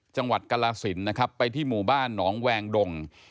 จังหวัดกรสินนะครับไปที่หมู่บ้านหนองแวงดง